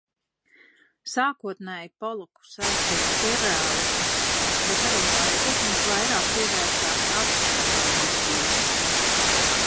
Sākotnēji Poloku saistīja sirreālisms, bet ar laiku viņš vairāk pievērsās abstrakcionismam.